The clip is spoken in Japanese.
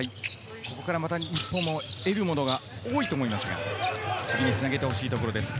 ここから日本も得るものが多いと思いますが、次につなげてほしいところです。